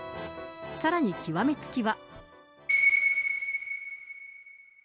さらに極みつきは。